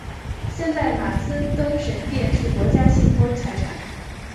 现在马森登神殿是国家信托财产。